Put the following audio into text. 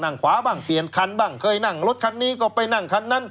ขวาบ้างเปลี่ยนคันบ้างเคยนั่งรถคันนี้ก็ไปนั่งคันนั้น